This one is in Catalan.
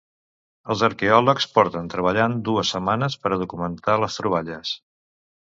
Els arqueòlegs porten treballant dues setmanes per a documentar les troballes.